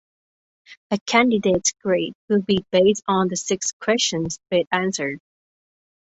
A candidate's grade will be based on the six questions best answered.